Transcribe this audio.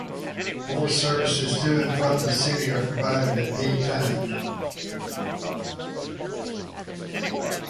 More services to and from the city are provided at peak times.